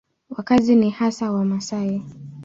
Wakazi ni hasa Wamasai.